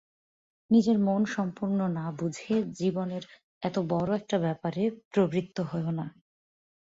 নিজের মন সম্পূর্ণ না বুঝে জীবনের এত বড়ো একটা ব্যাপারে প্রবৃত্ত হোয়ো না।